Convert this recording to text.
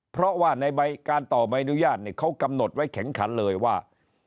เพราะว่าในใบการต่อใบอนุญาตเขากำหนดไว้แข็งขันเลยว่า